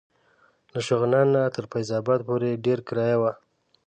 له شغنان نه تر فیض اباد پورې ډېره کرایه وه.